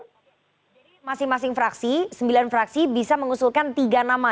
jadi masing masing fraksi sembilan fraksi bisa mengusulkan tiga nama